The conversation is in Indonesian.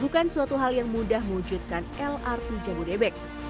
bukan suatu hal yang mudah mewujudkan lrt jabodebek